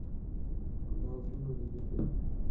• خندا زړونه نږدې کوي.